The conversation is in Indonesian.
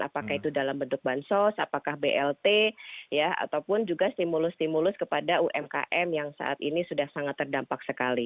apakah itu dalam bentuk bansos apakah blt ataupun juga stimulus stimulus kepada umkm yang saat ini sudah sangat terdampak sekali